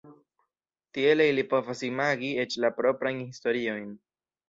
Tiele ili povas imagi eĉ la proprajn historiojn.